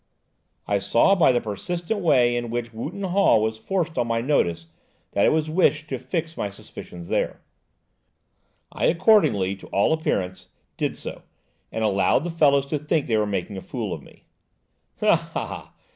I saw by the persistent way in which Wootton Hall was forced on my notice that it was wished to fix my suspicions there. I accordingly, to all appearance, did so, and allowed the fellows to think they were making a fool of me." "Ha! ha!